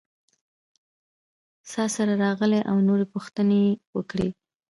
څاسره راغلې او نور پوښتنې یې وکړې.